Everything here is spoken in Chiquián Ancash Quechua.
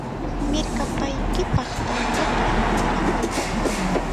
¡Mirkapaykipaq tantata rantiramuy!